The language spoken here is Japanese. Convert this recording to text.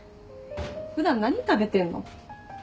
普段何食べてんの？